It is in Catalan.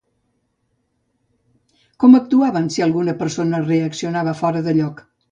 Com actuaven si alguna persona reaccionava fora de lloc?